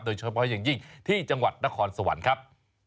โดยเฉพาะอย่างยิ่งที่จังหวัดนครสวรรค์ครับ